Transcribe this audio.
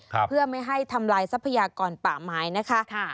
เพื่อไม่ให้ทำลายทรัพยากรป่าไม้นะคะค่ะ